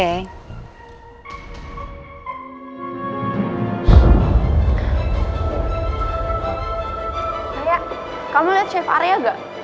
raya kamu liat chef arya gak